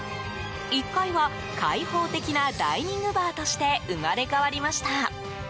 １階は、開放的なダイニングバーとして生まれ変わりました。